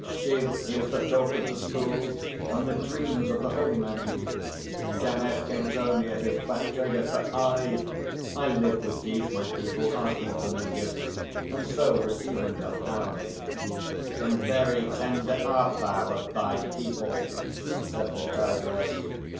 "Shiv hears the talk of the schools and the dreams of the holy men; Ganesh thinks only of his fat traders; but I I live with these my people, asking for no gifts, and so receiving them hourly." "And very tender art thou of thy people," said the Tigress.